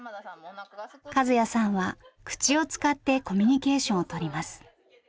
和也さんは口を使ってコミュニケーションをとります。